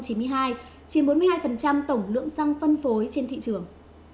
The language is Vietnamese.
chiếm bốn mươi hai tổng lượng xăng phân phối trên thị trường